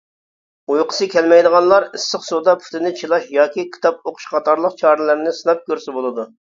ئۇيقۇسى كەلمەيدىغانلار ئىسسىق سۇدا پۇتىنى چىلاش ياكى كىتاب ئوقۇش قاتارلىق چارىلەرنى سىناپ كۆرسە بولىدۇ.